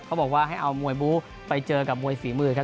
เขาบอกว่าให้เอามวยบู๊ไปเจอกับมวยฝีมือครับ